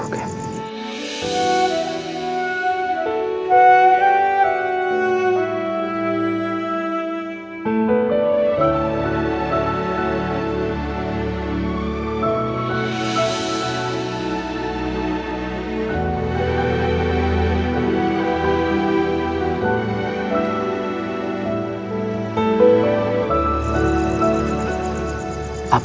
untuk memulai hidup baru